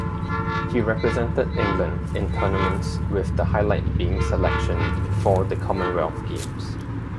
He represented England in tournaments with the highlight being selection for the Commonwealth Games.